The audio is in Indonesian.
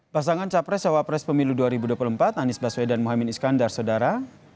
pasangan capres cawapres pemilu dua ribu dua puluh empat anies baswedan mohamad iskandar sodara